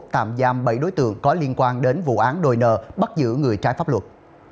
tạm giam bảy đối tượng có liên quan đến vụ án đòi nợ bắt giữ người trái pháp luật